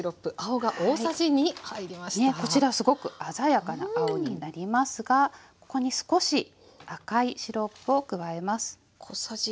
こちらすごく鮮やかな青になりますがここに少し赤いシロップを加えます。